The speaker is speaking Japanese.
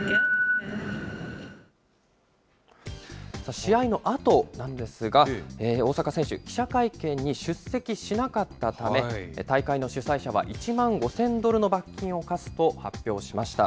試合のあとなんですが、大坂選手、記者会見に出席しなかったため、大会の主催者は１万５０００ドルの罰金を科すと発表しました。